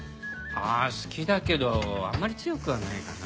ああ好きだけどあんまり強くはないかな。